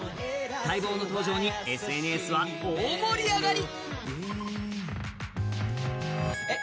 待望の登場にＳＮＳは大盛り上がり。